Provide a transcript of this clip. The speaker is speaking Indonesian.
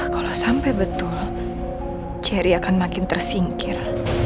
kalau sampai betul ceri akan makin tersingkir